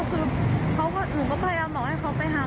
คือหนูก็พยายามตอบให้เขาไปหาหมอบ้าง